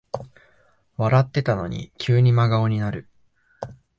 笑ってたのに急に真顔になる